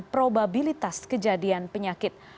probabilitas kejadian penyakit